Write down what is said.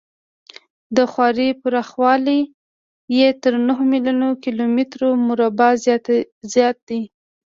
د خاورې پراخوالی یې تر نهو میلیونو کیلومترو مربعو زیات دی.